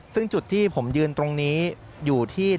ซึ่งจุดที่ผมยืนตรงนี้